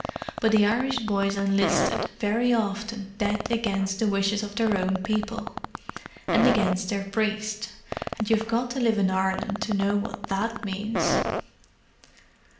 But the Irish boys enlisted, very often, dead against the wishes of their own people, and against their priest—and you've got to live in Ireland to know what that means."